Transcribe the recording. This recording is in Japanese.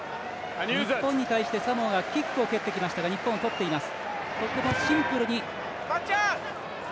日本に対して、サモアがキックを蹴ってきましたが日本は、とっています。